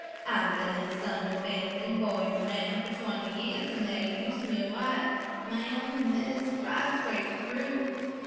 I've been in the Sumner family, boy an' man, for twenty years, an' they're used me white, ma am–miss, right straight through.